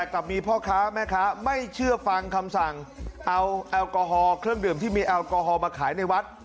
แต่มีพ่อค้าแม่ค้าไม่เชื่อฟังคำสั่งเอาแอลกอฮอลเครื่องดื่มที่มีแอลกอฮอลมาขายในวัด